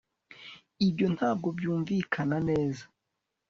Ibyo ntabwo byumvikana neza